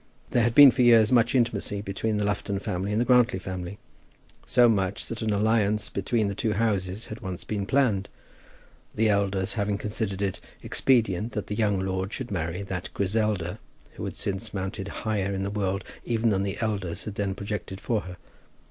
There had been for years much intimacy between the Lufton family and the Grantly family, so much that an alliance between the two houses had once been planned, the elders having considered it expedient that the young lord should marry that Griselda who had since mounted higher in the world even than the elders had then projected for her.